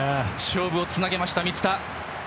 勝負をつなげました、満田。